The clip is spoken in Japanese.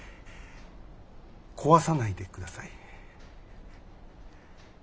壊さないでください。